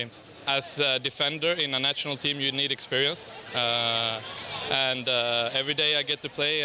ผมจะเชื่อว่าตอนนี้จะดีกว่า